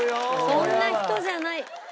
そんな人じゃない。